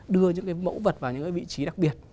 đưa những cái mẫu vật vào những cái vị trí đặc biệt